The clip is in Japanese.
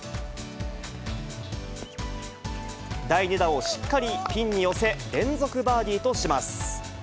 第２打をしっかりピンに寄せ、連続バーディーとします。